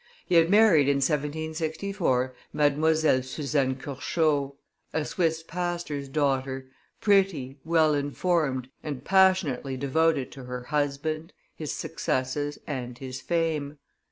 He had married, in 1764, Mdlle. Suzanne Curchod, a Swiss pastor's daughter, pretty, well informed, and passionately devoted to her husband, his successes and his fame.